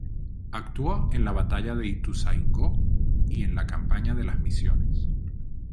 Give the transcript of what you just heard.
Actuó en la batalla de Ituzaingó y en la campaña de las Misiones.